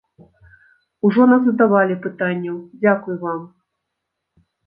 Ужо назадавалі пытанняў, дзякуй вам.